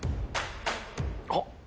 あっ。